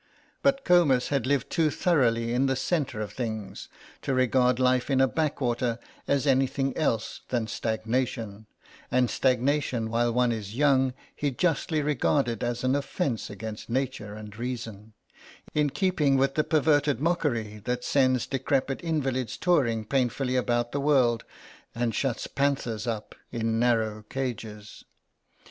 But Comus had lived too thoroughly in the centre of things to regard life in a backwater as anything else than stagnation, and stagnation while one is young he justly regarded as an offence against nature and reason, in keeping with the perverted mockery that sends decrepit invalids touring painfully about the world and shuts panthers up in narrow cages.